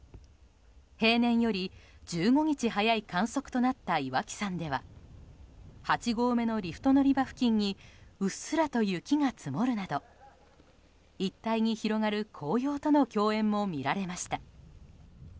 平年より１５日早い観測となった岩木山では８合目のリフト乗り場付近にうっすらと雪が積もるなど一帯に広がる紅葉との共演も見られました。